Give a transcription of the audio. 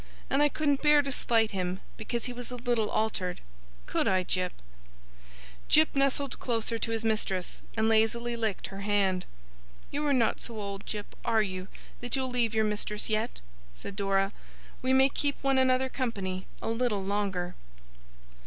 And I couldn't bear to slight him, because he was a little altered could I, Jip?' Jip nestled closer to his mistress, and lazily licked her hand. 'You are not so old, Jip, are you, that you'll leave your mistress yet?' said Dora. 'We may keep one another company a little longer!